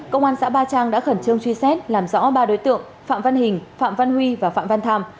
công an xã ba trang đã khẩn trương truy xét làm rõ ba đối tượng phạm văn hình phạm văn huy và phạm văn tham